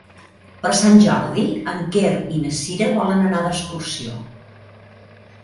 Per Sant Jordi en Quer i na Cira volen anar d'excursió.